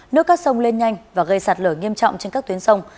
nước các sông lên nhanh và gây sạt lở nghiêm trọng trên các tuyến sông